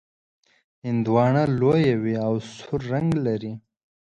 هندواڼه لویه وي او سور رنګ لري.